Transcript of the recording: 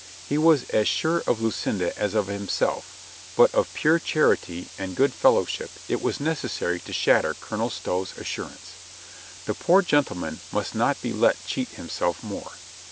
He was as sure of Lucinda as of himself, but of pure charity and good fellowship it was necessary to shatter Colonel Stow's assurance. The poor gentleman must not be let cheat himself more.